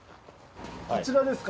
こちらですか？